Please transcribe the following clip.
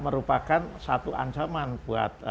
merupakan satu ancaman buat